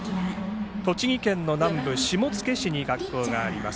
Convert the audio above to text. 栃木県の南部、下野市に学校があります。